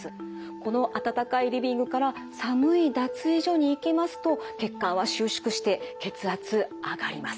この暖かいリビングから寒い脱衣所に行きますと血管は収縮して血圧上がります。